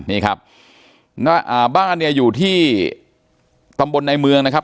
นี่ครับอ่าบ้านเนี่ยอยู่ที่ตำบลในเมืองนะครับ